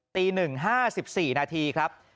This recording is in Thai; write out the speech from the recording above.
ตี๑๕๔นาทีครับ